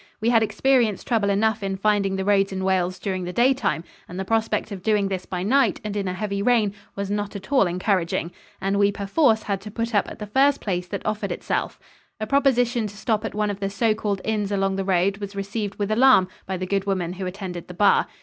We had experienced trouble enough in finding the roads in Wales during the daytime, and the prospect of doing this by night and in a heavy rain was not at all encouraging, and we perforce had to put up at the first place that offered itself. A proposition to stop at one of the so called inns along the road was received with alarm by the good woman who attended the bar.